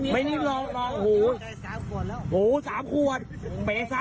ไม่น่ากลัวนะครับ